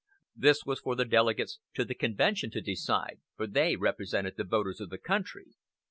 This was for the delegates to the convention to decide, for they represented the voters of the country.